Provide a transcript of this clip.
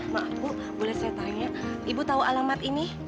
maaf bu boleh saya tanya ibu tahu alamat ini